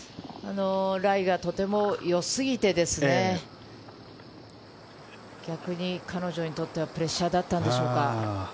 ライがとても良すぎてですね、逆に彼女にとってはプレッシャーだったんでしょうか。